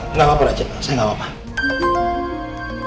gak apa apa raja saya gak apa apa